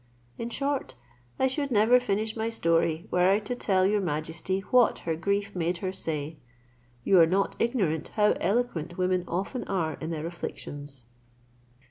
In short, I should never finish my story were I to tell your majesty what her grief made her say. You are not ignorant how eloquent women often are in their afflictions.